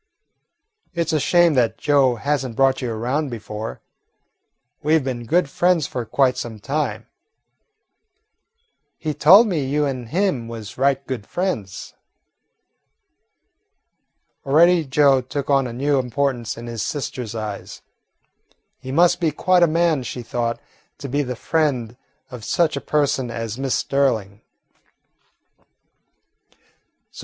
"It 's a shame that Joe has n't brought you around before. We 've been good friends for quite some time." "He told me you an' him was right good friends." Already Joe took on a new importance in his sister's eyes. He must be quite a man, she thought, to be the friend of such a person as Miss Sterling.